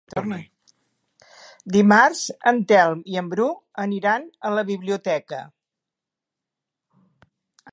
Dimarts en Telm i en Bru aniran a la biblioteca.